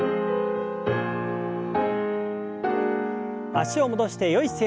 脚を戻してよい姿勢に。